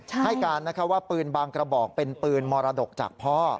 ให้การว่าปืนบางกระบอกเป็นปืนมรดกจากพ่อ